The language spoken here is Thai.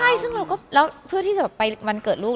เอ้ยซึ่งเราก็เพื่อที่จะไปมันเกิดลูก